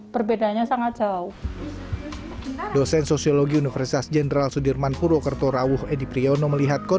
perbedaannya sangat jauh dosen sosiologi universitas jenderal sudirman purwokerto rawuh